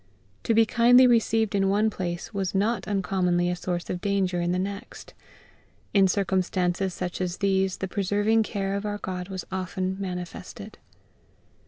To be kindly received in one place was not uncommonly a source of danger in the next. In circumstances such as these the preserving care of our GOD was often manifested.